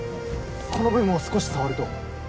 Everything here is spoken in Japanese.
この部分を少し触ると。